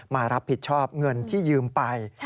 มารับผิดชอบเงินที่ยืมไป